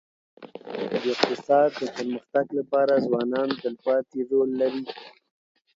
د اقتصاد د پرمختګ لپاره ځوانان تلپاتي رول لري.